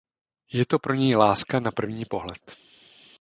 Je to pro něj láska na první pohled.